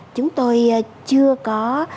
chúng tôi chưa có